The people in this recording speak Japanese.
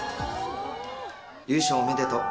優勝おめでとう。